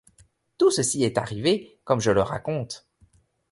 Tout ceci est arrivé comme je le raconte.